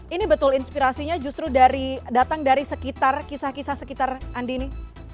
ini betul inspirasinya justru datang dari sekitar kisah kisah sekitar andini